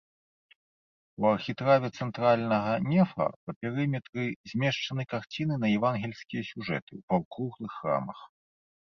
У архітраве цэнтральнага нефа па перыметры змешчаны карціны на евангельскія сюжэты ў паўкруглых рамах.